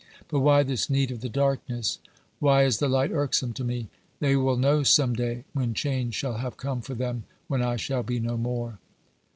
But why this need of the darkness ? Why is the light irksome to me ? They will know some day, when change shall have come for them, when I shall be no more.